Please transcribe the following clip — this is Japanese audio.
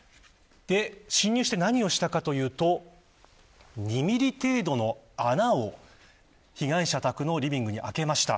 侵入して、何をしたかというと２ミリ程度の穴を被害者宅のリビングに開けました。